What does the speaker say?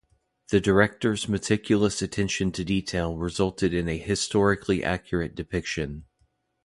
The director's meticulous attention to detail resulted in a historically accurate depiction.